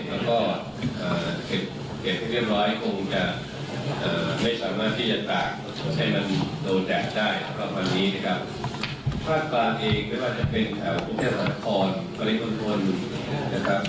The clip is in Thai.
ฝากกลางเองไม่ว่าจะเป็นแถวโรงแพทย์ฝนธรรมฝริงธนธรรมนะครับ